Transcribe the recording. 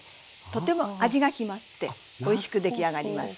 とても味が決まっておいしく出来上がります。